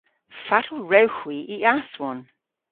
Fatel wrewgh hwi y aswon?